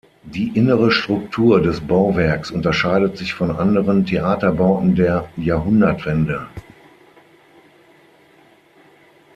Die innere Struktur des Bauwerks unterscheidet sich von anderen Theaterbauten der Jahrhundertwende.